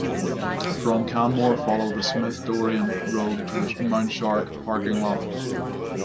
From Canmore follow the Smith-Dorien road to the Mount Shark parking lot.